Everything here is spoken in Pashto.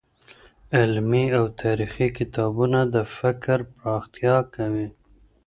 علمي او تاريخي کتابونه د فکر پراختيا کوي.